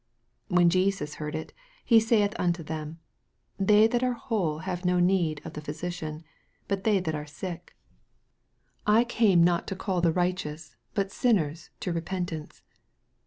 17 When Jesus heard it, he saith unto them, They that are whole have no need of the physician, but they that are sick : I came not to call thu MARK, CHAP. II 31 righteous, but sinners to repentance.